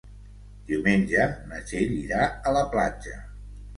Diumenge na Txell irà a la platja.